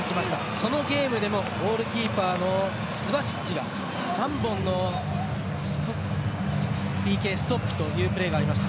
そのゲームでもゴールキーパーのスバシッチが３本のＰＫストップというプレーがありました。